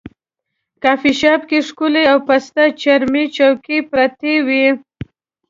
کافي شاپ کې ښکلې او پسته چرمي چوکۍ پرتې وې.